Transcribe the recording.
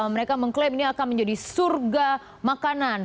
mereka mengklaim ini akan menjadi surga makanan